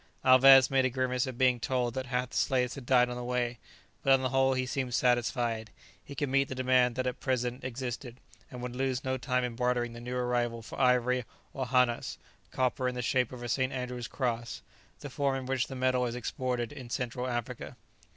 Alvez made a grimace on being told that half the slaves had died on the way, but on the whole he seemed satisfied; he could meet the demand that at present existed, and would lose no time in bartering the new arrival for ivory or hannas, copper in the shape of a St. Andrew's cross, the form in which the metal is exported in Central Africa.